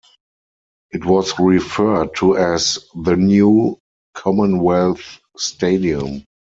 It was referred to as "The New Commonwealth Stadium".